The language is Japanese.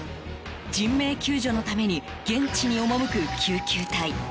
人命救助のために現地に赴く救急隊。